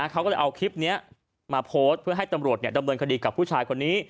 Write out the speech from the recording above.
เขาก็เลยเอาคลิปนี้มาโพสต์เพื่อให้ตำรวจดำเนินคดีกับผู้ชายคนนี้